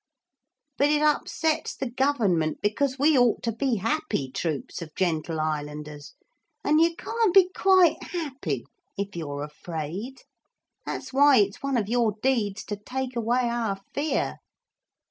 But it upsets the government, because we ought to be happy troops of gentle islanders, and you can't be quite happy if you're afraid. That's why it's one of your deeds to take away our fear.'